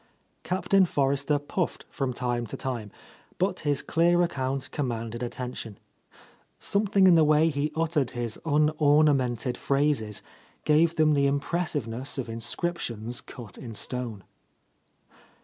Captain Forrester puffed from time to time, but his clear account commanded at tention. Something in the way he uttered his unornamented phrases gave them the impress iveness of inscriptions cut in stone.